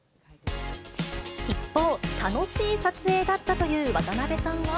一方、楽しい撮影だったという渡辺さんは。